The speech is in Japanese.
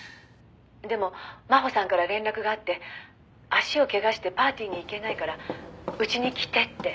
「でも真帆さんから連絡があって足をけがしてパーティーに行けないからうちに来てって」